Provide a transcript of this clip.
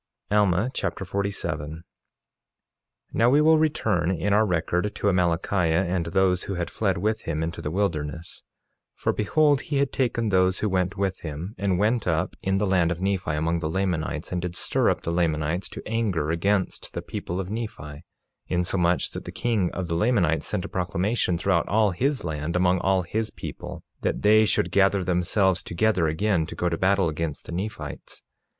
Alma Chapter 47 47:1 Now we will return in our record to Amalickiah and those who had fled with him into the wilderness; for, behold, he had taken those who went with him, and went up in the land of Nephi among the Lamanites, and did stir up the Lamanites to anger against the people of Nephi, insomuch that the king of the Lamanites sent a proclamation throughout all his land, among all his people, that they should gather themselves together again to go to battle against the Nephites.